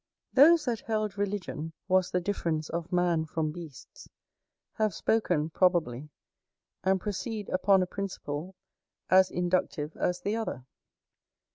Those that held religion was the difference of man from beasts, have spoken probably, and proceed upon a principle as inductive as the other.